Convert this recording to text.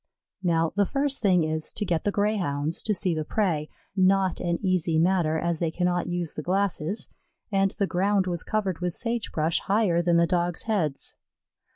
Now the first thing is to get the Greyhounds to see the prey not an easy matter, as they cannot use the glasses, and the ground was covered with sage brush higher than the Dogs' heads.